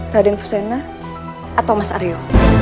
raden fusena atau mas aryo